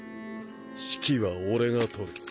指揮は俺が執る。